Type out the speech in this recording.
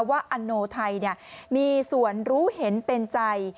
ว่าอันโหนูทัยมีส่วนรู้เห็นเป็นใจ